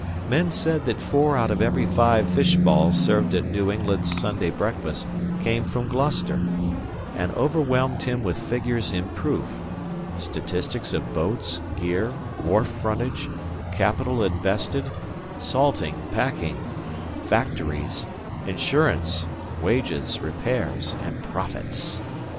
Men said that four out of every five fish balls served at New England's Sunday breakfast came from Gloucester, and overwhelmed him with figures in proof statistics of boats, gear, wharf frontage, capital invested, salting, packing, factories, insurance, wages, repairs, and profits.